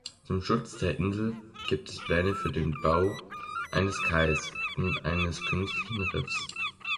Zum Schutz der Insel gibt es Pläne für den Bau eines Kais und eines künstlichen Riffs.